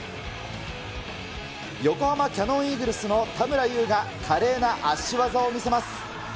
横浜キヤノンイーグルスの田村優が、華麗な足技を見せます。